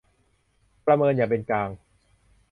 ประเมินอย่างเป็นกลาง